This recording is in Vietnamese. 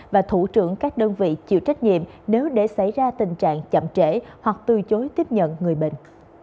và thủ trưởng các đơn vị chịu trách nhiệm nếu để xảy ra tình trạng chậm trễ hoặc từ chối tiếp nhận người bệnh